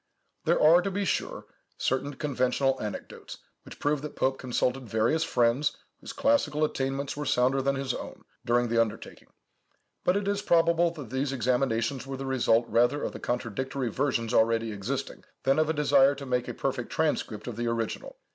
There are, to be sure, certain conventional anecdotes, which prove that Pope consulted various friends, whose classical attainments were sounder than his own, during the undertaking; but it is probable that these examinations were the result rather of the contradictory versions already existing, than of a desire to make a perfect transcript of the original.